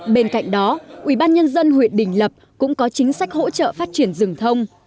bên cạnh đó ủy ban nhân dân huyện đình lập cũng có chính sách hỗ trợ phát triển rừng thông